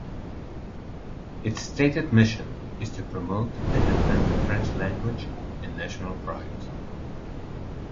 Its stated mission is to "promote and defend the French language and national pride".